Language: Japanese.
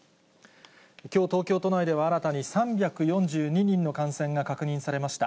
きょう、東京都内では新たに３４２人の感染が確認されました。